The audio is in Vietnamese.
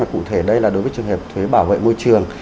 cụ thể đây là đối với trường hợp thuế bảo vệ môi trường